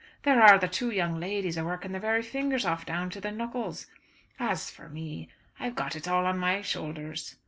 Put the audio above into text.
There are the two young ladies a working their very fingers off down to the knuckles. As for me, I've got it all on my shoulders."